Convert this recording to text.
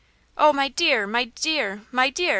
"Oh, my dear! my dear! my dear!